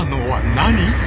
何？